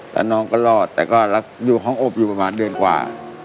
แล้วน้องก็รอดแต่ก็รักอยู่ห้องอบอยู่ประมาณเดือนกว่า